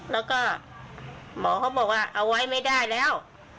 แล้วก็หมอเขาบอกว่าเอาไว้ไม่ได้แล้ว